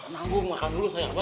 nanggu makan dulu saya abah